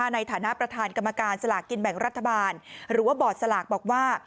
ในฐานะประธานกรรมการสลากกินแบ่งรัฐบาลหรือว่าบอร์ดสลากบอกว่า